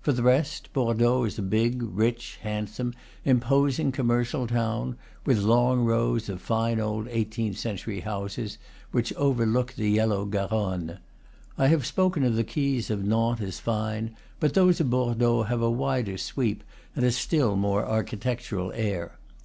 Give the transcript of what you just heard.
For the rest, Bordeaux is a big, rich, handsome, imposing com mercial town, with long rows of fine old eighteenth century houses, which overlook the yellow Garonne. I have spoken of the quays of Nantes as fine, but those of Bordeaux have a wider sweep and a still more architectural air.